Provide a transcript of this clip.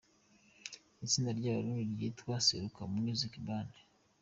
Itsinda ry'abarundi ryitwa Seruka Music Band.